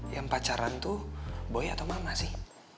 yang pacaran tuh buaya atau mama sih